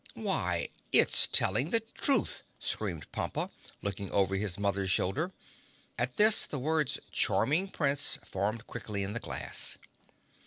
"Why, it's telling the truth!" screamed Pompa, looking over his mother's shoulder. At this the words "Charming Prince" formed quickly in the glass.